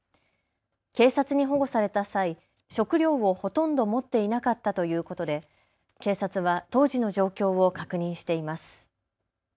警察に保護された際、食料をほとんど持っていなかったということで警察は当時の状況を確認しています。